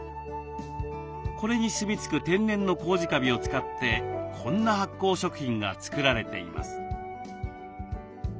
これにすみつく天然のコウジカビを使ってこんな発酵食品が作られています。